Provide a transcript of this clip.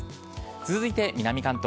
続いて南関東。